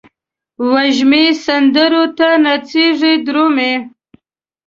وږمې سندرو ته نڅیږې درومې